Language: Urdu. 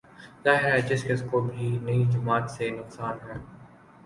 ظاہر ہے جس کس کو بھی نئی جماعت سے نقصان ہو